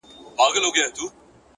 لا به په تا پسي ژړېږمه زه ـ